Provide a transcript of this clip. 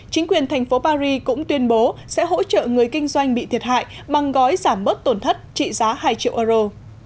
chính quyền thành phố paris cũng tuyên bố sẽ hỗ trợ người kinh doanh bị thiệt hại bằng gói giảm bớt tổn thất trị giá hai triệu euro